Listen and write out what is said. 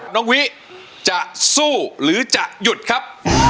น้องวิจะสู้หรือจะหยุดครับ